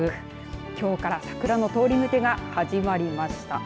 きょうから桜の通り抜けが始まりました。